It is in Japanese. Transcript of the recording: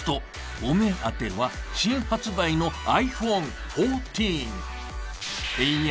お目当ては新発売のｉＰｈｏｎｅ１４。